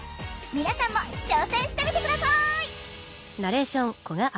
皆さんも挑戦してみて下さい！